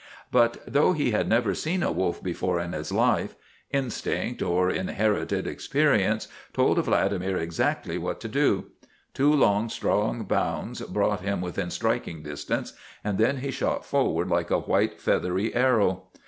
But though he had never seen a wolf before in his life, instinct or inherited experience told Vladimir exactly what to do. Two long, strong bounds brought him within striking distance and then he shot forward like a white, feathery arrow.